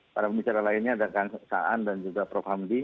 para pembicara lainnya ada kang saan dan juga prof hamdi